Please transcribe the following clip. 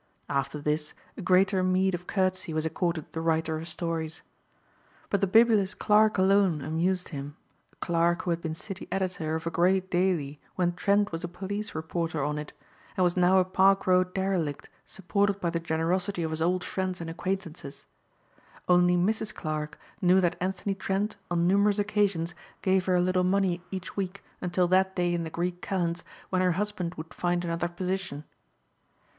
After this a greater meed of courtesy was accorded the writer of stories. But the bibulous Clarke alone amused him, Clarke who had been city editor of a great daily when Trent was a police reporter on it, and was now a Park Row derelict supported by the generosity of his old friends and acquaintances. Only Mrs. Clarke knew that Anthony Trent on numerous occasions gave her a little money each week until that day in the Greek kalends when her husband would find another position.